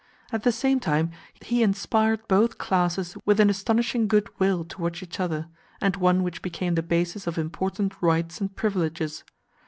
At the same time he inspired both classes with an astonishing goodwill towards each other, and one which became the basis of important rights and privileges.